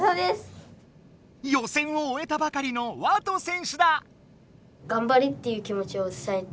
予選をおえたばかりのＷＡＴＯ選手だ！